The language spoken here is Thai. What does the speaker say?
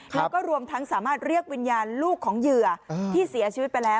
แล้วก็รวมทั้งสามารถเรียกวิญญาณลูกของเหยื่อที่เสียชีวิตไปแล้ว